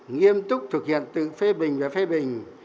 nghiêm túc thực hiện tự phê bình và phê bình